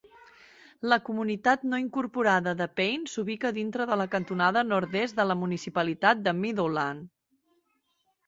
La comunitat no incorporada de Payne s'ubica dintre de la cantonada nord-est de la municipalitat de Meadowlands.